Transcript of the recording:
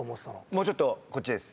もうちょっとこっちです。